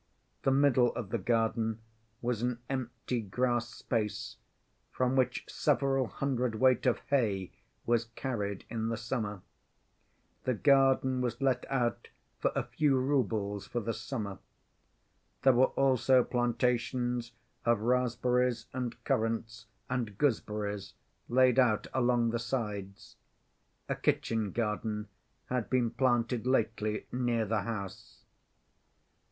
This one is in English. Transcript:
The middle of the garden was an empty grass space, from which several hundredweight of hay was carried in the summer. The garden was let out for a few roubles for the summer. There were also plantations of raspberries and currants and gooseberries laid out along the sides; a kitchen garden had been planted lately near the house.